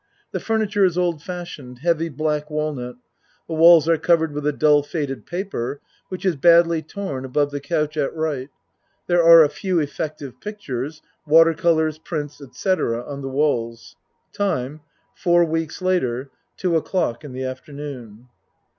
The furniture is old fashioned, heavy black wal nut. The walls are covered with a dull faded pa per which is badly torn above the couch at R. There are a few effective pictures water colors prints, etc., on the walls. Time Four weeks later, 2 o'clock in the after noon.